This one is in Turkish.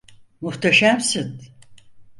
Muhteşemsin!